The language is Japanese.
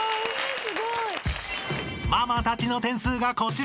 ［ママたちの点数がこちら］